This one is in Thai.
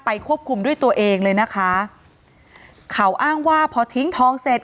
ควบคุมด้วยตัวเองเลยนะคะเขาอ้างว่าพอทิ้งทองเสร็จ